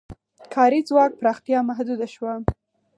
کاري ځواک پراختیا محدوده شوه.